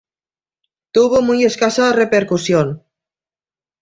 Tuvo muy escasa repercusión.